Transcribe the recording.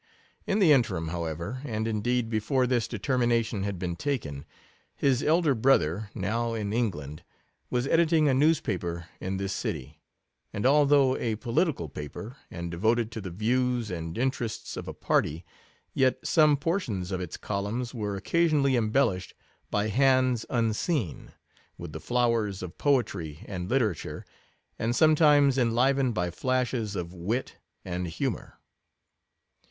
In the interim, however, and indeed before this determination had been taken, his elder bro ther, now in England, was editing a news paper in this city; and although a political paper, and devoted to the views and interests of a party, yet some portions of its columns were occasionally embellished " by hands unseen,' with the flowers of poetry and lite rature, and sometimes enlivened by flashes of wit and humour.